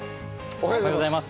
おはようございます。